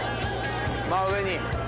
真上に。